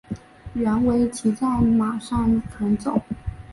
原为骑在马上弹奏。